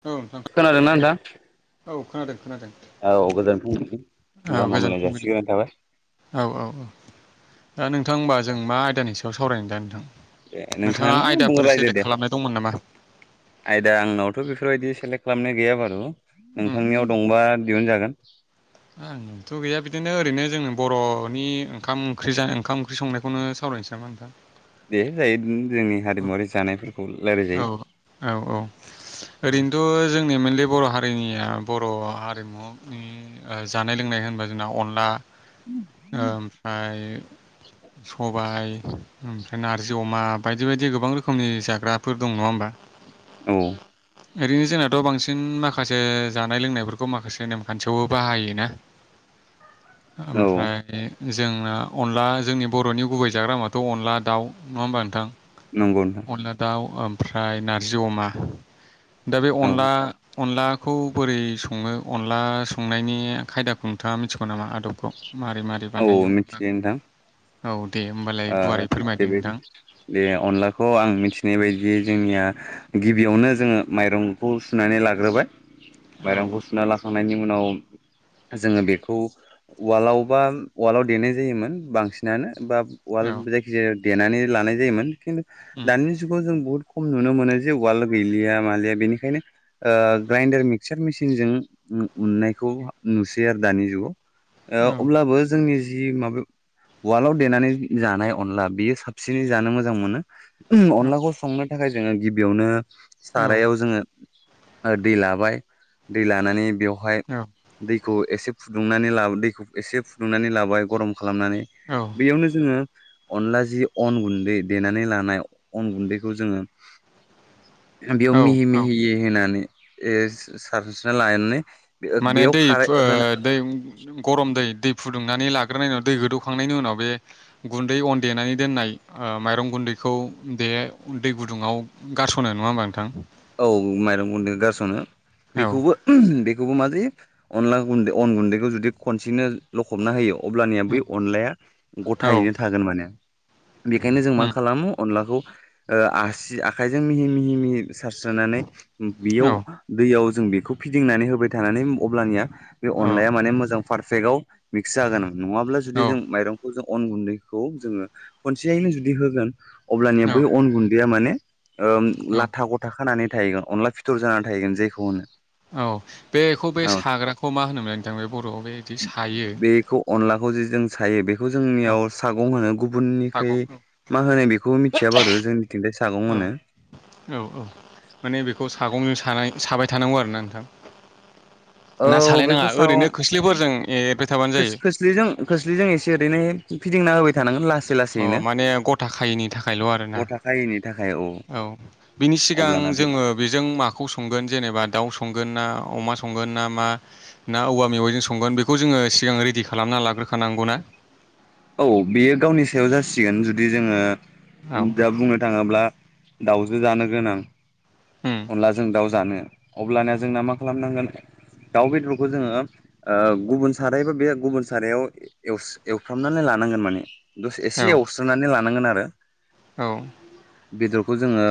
औ नोंथां खोनादों ना नोंथां औ खोनादों खोनादों औ गोजोन फुंबिलि औ गाहाम गोजोन हामलायनाय फुंबिलिनि जासिग्रोनाय थाबाय औ औ औ दा नोंथां होमबा जों मा आयदानि सायाव स सावरायनो दा नोंथां ए नोंथाङा नोंथाङानो आयदाफोर बुंहरलायदो सेलेक्ट दे खालामनाय दंमोन नामा आयदा आंनावथ' बेफोरबायदि सेलेक्ट खालामनाय गैया बारु उम नोंथांनियाव दंबा दिहुनजागोन [unintelligible] आंथ' गैया बिदिनो ओरैनो जोंनो बर'नि ओंखाम ओंख्रि जानाय ओंखाम ओंख्रि संनायखौनो सावरायनोसै नामा नोंथां दे जायो जोंनि हारिमुवारि जानायफोर औ औ औ ओरैनोथ' जोंनि मोनल बर' हारिनिया बर' हारिमुनि ओ जानाय लोंनाय होनबा जोंना अनला ओमफ्राय सबाय ओमफ्राय नारजि अमा बायदि बायदि गोबां रोखोमनि जाग्रा फोर दं नङा होमबा औ ओरैनो जोंनाथ' बांसिन माखासे जानाय लोंनायफोरखौ माखासे नेमखान्थियावबो बाहायोना औ ओमफ्राय जोंना अनला जोंनि बर'नि गुबै जाग्रामाथ' अनला दाउ नङा होमबा नोंथां नंगौ नोंथां अनला दाउ ओमफ्राय नारजि अमा दा बे औ अनला अनला खौ बोरै सङो अनला संनायनि खायदाखौ नोंथाङा मिथिगौ नामा आदबखौ मारै मारै औ बानायो मिथियो नोंथां अनलाखौ औ दे होमबालाय ओ गुवारै थिग फोरमायदो बेबायदि नोंथां दे अनलाखौ आं मिथिनाय बायदि बे जोंनिया गिबियावनो जोङो माइरंखौ सुनानै लाग्रोबाय औ माइरंखौ सुना लाखांनायनि उनाव जोङो बेखौ उवालाव बा उवालाव देनाय जायोमोन बांसिनानो बा उवाल औ जायखि जाया देनानै लानाय जायोमोन। खिन्थु उम दानिजुगाव जों बुहुत खम नुनो मोनो जे उवाल गैलिया मालिया बेनिखायनो ग्राइनडार मिक्सार मेसिनजों उननायखौ नुसै आरो दानि जुगाव। औ अब्लाबो जोंनि [unintelligible] देनानै जानाय अनला बियो साबसिनै जानो मोजां मोनो। अनलाखौ सङो थाखाय जोङो गिबियावनो औ सारायाव जोङो दै लाबाय दै लानानै बेयाव [unintelligible] दैखौ एसे फुदुंनानै ला दैखौ एसे फुदुंनानै लाबाय गरम खालामनानै औ उम अनला जि अन गुन्दै देनानै लानाय अन गुन्दैखौ जोङो बेयाव औ मिहि औ मिहि होनानै एसे सारस्रिना लानानै माने बेयाव खारै होना दै-दै गरम दै-दै फुदुंनानै लाग्रोनाय उनाव दै गोदौखांनायनि उनाव बे गुन्दै अन देनानै दोननाय माइरं गुन्दैखौ बे दै गुदुङाव गारस'नो नङा होमबा नोंथां। औ माइरं गुन्दै गारस'नो औ बेखौबो बेखौबो मा जायो अनला गुन्दै अन गुन्दैखौ जुदि खनसेनो लखबना होयो अब्लानिया बै अनलाया औ गथायैनो थागोन माने। बेखायनो जों मा उम खालामो अनलाखौ ओ आसि आखायजों मिहि मिहि मिहि सारस्रोनानै औ बेयाव दैयाव जों बेखौ फिदिंनानै होबाय थानानै अब्लानिया बे अनलाया माने मोजां पारफेक्टआव मिक्स जागोन। नङाब्ला जुदि जों माइरंखौ जों अन गुन्दैखौ जोङो खनसेयैनो जुदि होगोन अब्लानिया औ बै अन गुन दैया माने ओम ला औ गथा खानानै थाहैगोन अनला फिथर जानानै थाहैगोन जायखौ होनो। औ बेखौ बे औ साग्राखौ मा होनोमोन नोंथां बे बर'आव बेबायदि सायो। बेखौ अनलाखौ जे जों सायो बे औ जोंनियाव सागं होनो गुबुननिखै सागं मा होनाय बेखौ मिथिया बारु जोंथिंजाय सा सागं औ होनो औ माने बेखौ सागंजों सानाय साबाय थानांगौ आरोना [inaudible] औ सालायनाङा बेखौ ओरैनो सागं खोस्लिफोरजों एरबाय थाबानो जायो खो-खोस्लि खोस्लिजों एसे ओरैनो बिदिंना होबाय थांगोन लास अ माने गथा खायिनि थाखायल' आरोना गथा खायैनि थाखाय औ बिनि सिगां अब्लाना बे जोङो बेजों माखौ संगोन जेनेबा दाउ संगोन ना अमा संगोन ना मा ना औवा मेगाइजों संगोन बेखौ जोङो सिगां रेडि खालामना लाग्रोखानांगौ ना औ बेयो गावनि सायाव जासिगोन जुदि जोङो औ दा बुंनो थाङोब्ला दाउजो जानो गोनां उम अनला जों दाउ जानो अब्लानया जोंना मा खालामनांगोन दाउ बेदरखौ जोङो ओ गुबुन साराय बा बे गुबुन सारायाव एवस-एवफ्रामनानै लानांगोन माने दसे औ एसे एवस्रोननानै लानांगोन आ रो औ बेदरखौ जोङो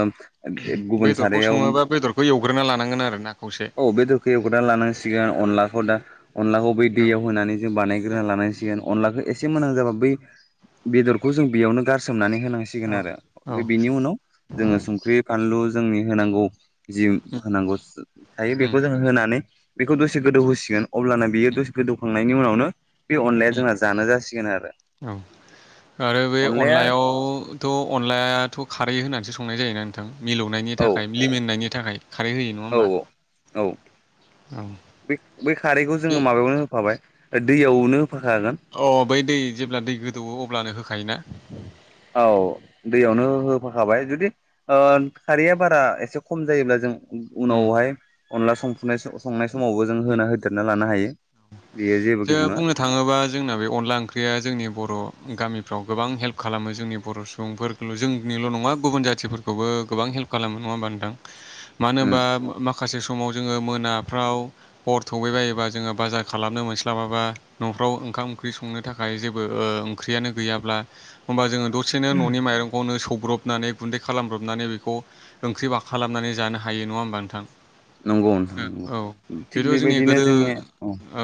गुबुन सा बेदरखौ रायाव सङोबा बेदरखौ एवग्रोना लानांगोन आरो ना खौसे औ बेदखौ एवग्रोनानै लानांसिगोन अनला दा अनलाखौ बै औ दैयाव होनानै जों बानायग्रोना लानांसिगोन अनलाखौ ए से मोनहां जाबा बै बेदरखौ जों बेयावनो गारसोमनानै होनांसिगोन औ आरो औ बिनि उनाव संख्रि बानलु जोंनि नांगौ जि होनांगौ थायो उम बेखौ जों होनानै बेखौ दसे गोदौ होसिगोन अब्लाना बेयो उम गोस गोदोवखां खांनायनि उनावनो बे अनलाया जोंना जानो जासिगोन आरो औ आरो बे अनलाया अनलायावथ' अनलायाथ' खारै होननानैसो संनाय जोयो ना नोंथां मिलौनायनि औ थाखाय लेमेननायनि थाखाय खारै होयो नङा औ होमबा औ औ औ बे बे खारैखौ बे जोङो माबायावनो होफाबाय दैयावनो होफाखागोन अ बै दै जेब्ला दै गोदौवो अ अब्लानो होखायोना औ दैयावनो होफाखाबाय जुदि खारैया बारा एसे खम जायोब्ला जों उनावहाय अनला संफुनाय संनाय समावबो जों होना होदेरना लानो हायो बेयो जेबो जों गिदिर नङा बुंनो थाङोबा जोंना बे अनला ओंख्रिया जोंनि बर' गामिफ्राव गोबां हेल्प हेल्प खालामो जोंनि बर' सुबुंफोरखौल' जोंनिल' नङा गुबुन जाथिफोरखौबो गोबां हेल्प खालामो नङा होमबा नोंथां मानो उम होनबा [unintelligible] माखासे समाव जोङो मोना फ्राव अर थैबायोबा जोङो बाजार खालामनो मोनस्लाबाबा न'फ्राव ओंखाम ओंख्रि संनो थाखाय जेबो ओंख्रियानो गैयाब्ला होमबा जोङो दसेनो न'नि माइरंखौनो सौ संब्रबनानै गुन्दै खालामब्रबनानै बेखौ ओंख्रि खालामनानै जानो हायो नङा होमबा नोंथां नंगौ ओं नोंथां औ नंगौ थिग बेथ' जोंनि बेबायदिनो गोदो औ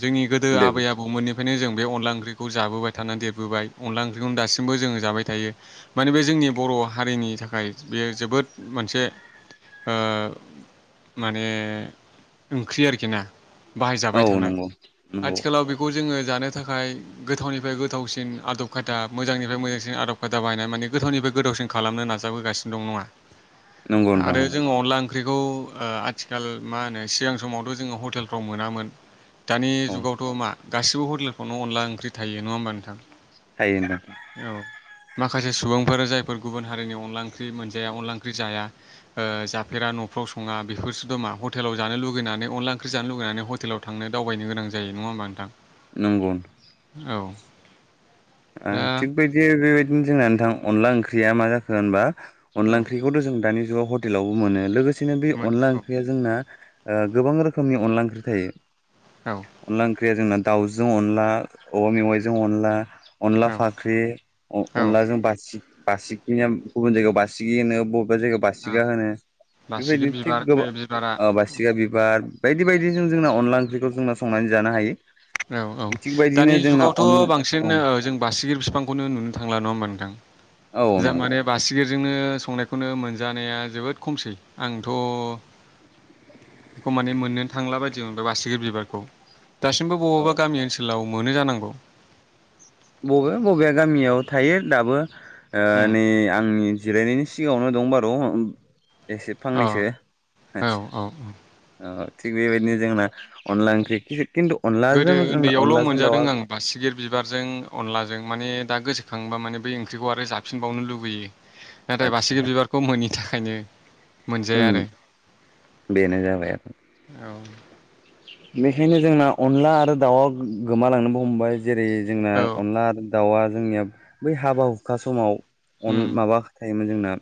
जोंनि गोदो दे आबै आबौमोननिफ्रायनो जों बे अनला ओंख्रिखौ जाबोबाय थानानै देरबोबाय अनला ओंख्रिखौनो दासिमबो जोङो जाबाय थायो माने बे जोंनि बर' हारिनि थाखाय बेयो जोबोद मोनसे माने ओंख्रि आरोखि ना बाहायजाबाय औ थानाय नंगौ नंगौ आथिखालाव बेखौ जोङो जानो थाखाय गोथावनिफ्राय गोथावसिन आदब खायदा मोजांनिफ्राय मोजांसिन आदब खायदा बाहायनाय माने गोथावनिफ्राय गोथावसिन खालामनो नाजाबोगासिनो दं नङा नंगौ नोंथां आरो जोंङो अनला ओंख्रि औ आथिखाल मा होनो सिगां समावथ' जोङो हटेलफ्राव मोनामोन दानि औ जुगावथ' मा गासिबो हटेलफ्रावनो अनला ओंख्रि थायो नङा होमबा नोंथां थायो औ माखासे सुबुंफोर जायफोर गुबुन हारिनि अनला ओंख्रि ओंख्रि मोनजाया अनला ओंख्रि जाया जाफेरा न'फ्राव सङा बेफोरसो [unintelligible] हटेलाव जानो लुबैनानै अनला ओंख्रि जानो लुगैनानै हटेलाव थांनो दावबायनो गोनां जायो नङा होमबा नोंथां नंगौ औ दा थिग बायदि बेबायदिनो जोंना नोंथां अनला ओंख्रि ओंख्रिया मा जाखो होनबा अनला औ ओंख्रिखौथ' जों दानि हटेलावबो मोनो- बे मोनो अनला औ ओंख्रिया जोंना- गोबां रोखोमनि अनला ओंख्रि थायो। अनला ओंख्रिया जोंना- दाउजों अनला औवा मेवाइजों अनला- अनला औ फाख्रि औ अनलाजों बासि- बासिखि गुबुन जायगायाव बासिगि- बबेबा जायगायाव औ बासिगा होनो बासिगिर बेबायदिनो थिग बिबार बे बिबारा गोबां बासिगा बिबार- बायदि बायदि जों जोंना अनला ओंख्रिखौ जोंना संनानै जानो हायो। औ औ थिग दानि बायदिनो जोंना अन जुगावथ' बांसिन औ जों बासिगि बिफांखौ नुनो थांला नङा होनबा नोंथां। औ जा नंगौ माने बासिगि- [inaudible] संनायखौनो मोनजानाया जोबोत खमसै आंथ' मोननो थांला बादि मोनो बासिगि बिबार बबेबा औ बबेबा गामि ओनसोलाव मोनो जानांगौ बबे बबे गामियाव थायो दाबो। उम नै आंनि जिरायनायनि- सिगाङावनो दं बारु- एसे अ फांनैसो [inaudible] औ औ थिग बेबायदिनो जोंना अनला ओंख्रि खिन्थु अनलाजों गोदो जोंना उन्दैयावल' अनलाजों मोनजादों दाउआ आं बासिगिर बिबारजों अनलाजों माने दा गोसोखांबा माने बै ओंख्रिखौ आरो जाफिनबावनो लुबैयो। नाथाय बासगि बिबारखौ मोनि थाखायनो- मोनजाया ओम आरो बेनो जाबाय- औ बेखायनो जोंना अनला आरो दाउआ गोमालांनोबो हमबाय। जेरै जोंना औ अनला दाउआ जोंनिया बै हाबा हुखा समाव उम अनला माबा [inaudible] जोंना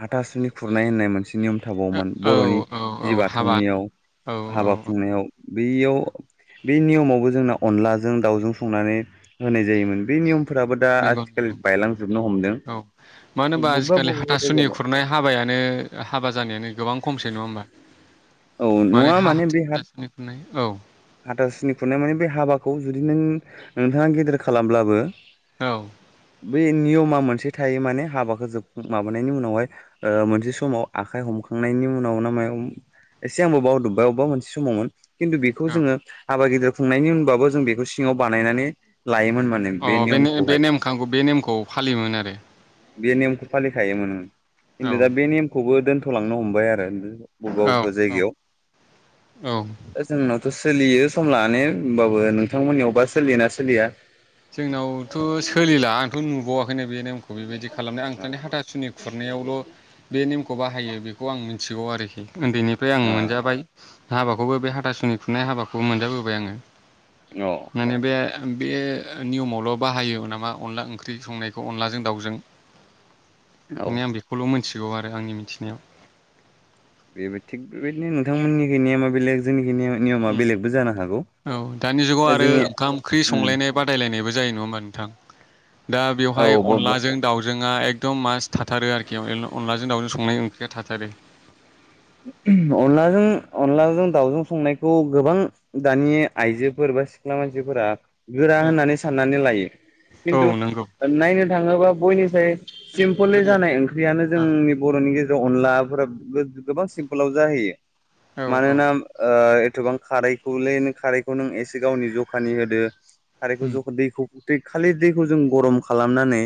हाथासुनि खुरनाय होननाय मोनसे नियम थाबावोमोन ओ बर'नि औ औ औ जि हाबा बाथौनियाव औ औ हाबा औ खुंनायाव बेयाव बे नियमावबो जोंना अनलाजों दाउजों संनानै होनाय जायोमोन बे नियम फोराबो दा नंगौ आथिखालाव नंगौ बायलांजोबनो हमदों। औ मानो होनोमबा बबेबा आजिखालि बबेबा हाथासुनि जायगायावल' खुरनाय हाबायानो हाबा जानायानो गोबां खमसै नङा होमबा औ माने नङा [inaudible] बे हा हाथासुनि खुरनाय औ। हाथासुनि खुरनाय माने बे हाबाखौ जुदि नों नोंथाङा गेदिर खालामब्लाबो। औ बे नियमा मोनसे थायो माने हाबा जोब माबानायनि उनावहाय ओ मोनसे समाव आखाइ हमखांनायनि उनाव ना मायाव एसे आं बावदबबाय अबेबा मोनसे समावमोन। खिन्थु बेखौ औ जोङो हाबा गिदिर खुंनायनि उनबाबो जों बेखौ सिङाव बानायनानै लायोमोन माने अ बे बे नियमखौहाय नेख बे नेमखौ फालियोमोन आरो बे नेयमखौ फालिखायोमोन ओं औ खिन्थु दा बे नेमखौबो दोन थ' लांनो हमबाय आरो। बबेबा औ बबेबा औ जायगायाव औ दा जोंना सोलियो सम लानानै होमबाबो नोंथांमोननियावबा सोलियोना सोलिया जोंनावथ' सोलिला आंथ' नुबावाखैनो बे नेमखौ बेबायदि खालामनाय ओ आं हाथासुनि खुरनायावल' बे नेमखौ बाहायो बेखौ आं मिथिगौ आरोखि। उन्दैनिफ्राय आं मोनजाबाय हाबाखौबो बे हाथासुनि खुरनाय हाबाखौ मोनजाबोबाय आङो। औ माने बे ओ बे नियमावल' बाहायो नामा अनला ओंख्रि संनायखौ अनलाजों दाउजों। औ मे बेखौल' मिथिग गौ आरो आंनि मिथिनायाव। बेबो थिग बेबायदिनो नोंथांमोननि नेमा बेलेग जोंनि उम औ दानि जुगाव आरो जोंनि ओंखाम ओंख्रि उम संलायनाय बादायलायनाय जायो नङा होमबा नोंथां दा औ बेवहाय अनलाजों दाउजोंआ दम मास थाथारो आरोखि अनलाजों दाउजों संनाय ओंख्रिया थाथारो। अनलाजों अनलाजों दावजों संनायखौ गोबां दानि आइजोफोर बा सिख्ला मानसिफोरा गोरा होननानै साननानै लायो औ खिन्थु नंगौ नायनो थाङोबा बयनिसाय सिम्पोल जानाय ओंख्रियानो जोंनि बर'नि गेजे अनलाफोरा गोबां सिम्पोलाव जाहैयो। औ औ मानोना ओ गोबां खारैखौलै नों खारैखौ नों एसे गावनि जखानि होदो। आरो एलखौ उम जखौ दैखौ गथै खालि दैखौ जों गरम खालामनानै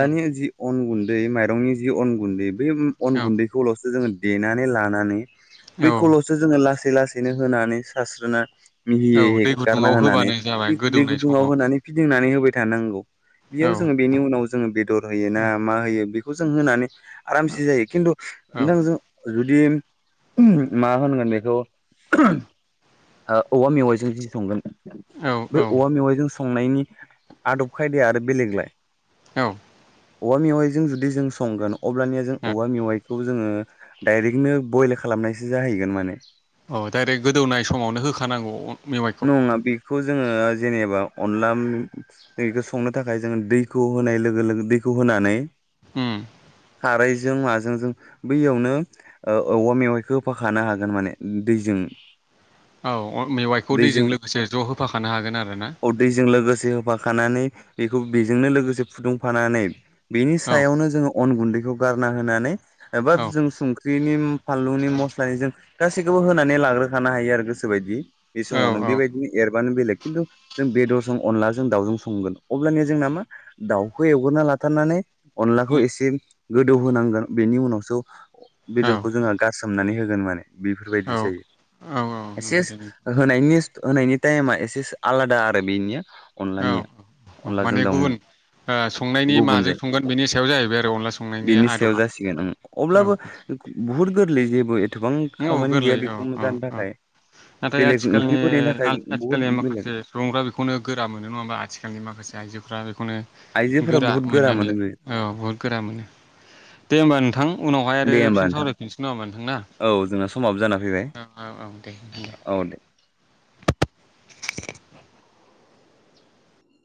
औ जि अन गुन्दै माइरंनि जि अन गुन्दै बे अन गुन्दैखौल'सो जोंङो देनानै लानानै औ बेखौल'सो जोंङो लासै लासै लासैनो होनानै सास्रोनानै मिहि औ दै हेगारना गुदुङाव होनानै होबानो जाबाय बे दै गोदौनाय गुदुङाव समाव होनानै फिदिंनानै होबाय थानांगौ औ बेयाव जोंङो बेनि उनाव जोङो बेदर होयो ना औ मा होयो बेखौ खौ जों होनानै आरामसे जायो खिन्थु नोंथां जों जुदि मा होनगोन बेखौ औवा ओ मेवाइजों जुदि संगोन औ बेै औ औवा मेवाइजों संनायनि आदब खायदाया आरो बेलेगलाय औ औवा मेवाइजों जुदि जों संगोन अब्लानिया जों औ औवा मेवाइखौ जोंङो डाइरेक्टनो बयल खालामनायसो जाहैगोन माने औ डायरेक्ट गोदौनाय समावनो होखानांगौ मेवाइखौ नङा बेखौ जोङो जेनेबा अनलाखौ संनो थाखाय जोंङो दैखौ होनाय लोगो लोगो दैखौ होनानै ओम खारैजों माजों बैयावनो औवा मेवाइखौ होफाखानो हागोन माने दैजों औ मेवाइखौ दैजों लोगोसे ज' होफाखानो हागोन आरो ना खानानै बेखौ बेजोंनो लोगोसे फुदुंफानानै बेनि औ सायावनो जोंङो अन गुन्दै खौ गारना होनानै एबा औ जों संख्रिनि फानलुनि मस्लानि जों गासैखौबो होनानै लाग्रोखानो हायो आरो गोसो बायदि बे औ समावनो औ बेबायदिनो एरबानो बेलेग खिन्थु जों बेदरजों अनलाजों दाउजों संगोन अब्लानिया जोंना मा दाउखौ एवगोरना लाथारनानै अनलाखौ उम एसे गोदौ होनांगोन बेनि उनावसो औ बेदरखौ जोंङो गासै सोमनानै होगोन माने बेफोरबायदि औ जायो औ एसे नंगौ दे होनायनि होनायनि टाइमा एसे आलादा आरो बेनिया औ अनलानिया औ औ अनलाजों माने गुबुन दाउनिया संनायनि गुबुन माजों जायो संगोन बेनि सायाव जाहैबाय आरो अनला संनायनि बेनि आदबा औ औ भट गलै जेबो एथबां औ खामानि गोरलै गैया औ बेखौ औ जानो औ थाखाय नाथाय बेलेग आथिखालनि ओंख्रिफोरनि थाखाय बुहुत आथिखालनि माखासे बेलेग सुबुंफ्रा बेखौनो गोरा मोनो नङा होमबा आथिखालनि माखासे आइजोफ्रा बेखौनो आइजोफोरा गोरा बुहुत मोनो मोननानैलाय बे औ बहुद गोरा मोनो दे होमबा नोंथां उनावहाय आरो दे होमबा फिन नोंथां सावरायफिनसै न [inaudible] औ जोंना समाबो जाना फैबाय औ औ औ दे औ दे [inaudible]